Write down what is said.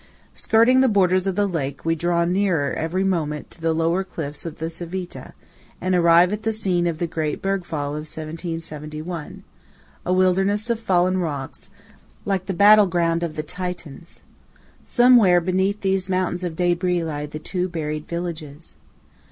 Skirting the borders of the lake, we draw nearer every moment to the lower cliffs of the Civita, and arrive at the scene of the great bergfall of 1771;–a wilderness of fallen rocks, like the battle ground of the Titans. Somewhere beneath these mountains of débris lie the two buried villages.